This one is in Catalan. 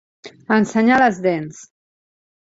Ensenyar les dents.